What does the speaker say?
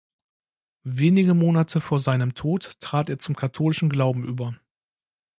Wenige Monate vor seinem Tod trat er zum katholischen Glauben über.